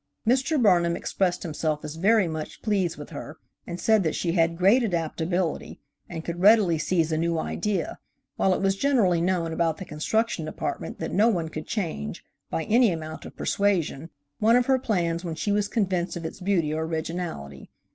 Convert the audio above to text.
Mr. Burnham expressed himself as very much pleased with her and said that she had great adaptability, and could readily seize a new idea, while it was generally known about the Construction Department that no one could change, by any amount of persuasion, one of her plans when she was convinced of its beauty or originality.